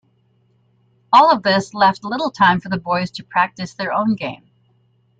All of this left little time for the boys to practise their own game.